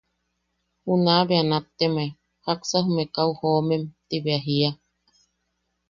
Junaʼa bea nattemae: “¿Jaksa jume kau jomem?” ti bea jiia.